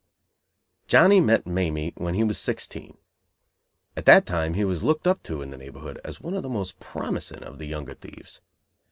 _ Johnny met Mamie when he was sixteen. At that time he was looked up to in the neighborhood as one of the most promising of the younger thieves.